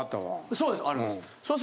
そうです。